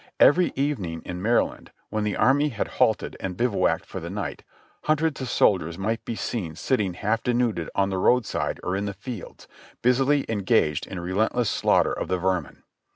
Every evening in Maryland, when the army had halted and bivouacked for the night, hundreds of soldiers might be seen sitting half denuded on the road side or in the fields, busily engaged in a re lentless slaughter of the vermin.